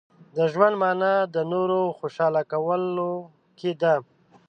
• د ژوند مانا د نورو خوشحاله کولو کې ده.